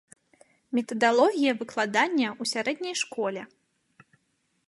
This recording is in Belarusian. Метадалогія выкладання ў сярэдняй школе.